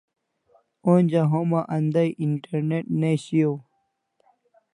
Onja homa andai internet ne shiau